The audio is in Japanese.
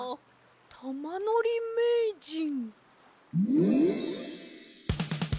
たまのりめいじん。